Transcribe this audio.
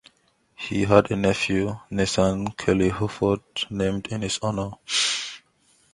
He had a nephew, Nathan Kelley Hufford, named in his honor.